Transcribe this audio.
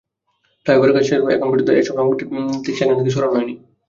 ফ্লাইওভারের কাজ শেষ হলেও এখন পর্যন্ত এসব সামগ্রী সেখান থেকে সরানো হয়নি।